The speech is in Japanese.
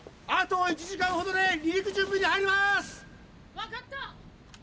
わかった！！